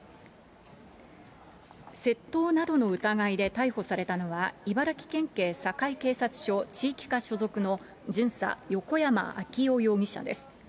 窃盗などの疑いで逮捕されたのは、茨城県警境警察署地域課所属の巡査、横山あきよ容疑者です。